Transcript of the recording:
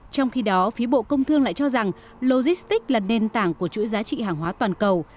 trong khi đó phía bộ công thương lại cho rằng logistics là nền tảng của chuỗi giá trị hàng hóa toàn cầu